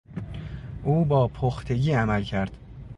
او با پختگی عمل کرد.